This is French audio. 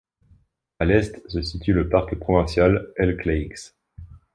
À l'Est se situe le Parc provincial Elk Lakes.